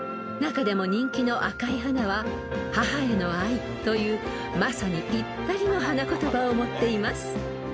［中でも人気の赤い花は「母への愛」というまさにぴったりの花言葉を持っています］